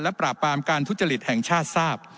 ปราบปรามการทุจริตแห่งชาติทราบ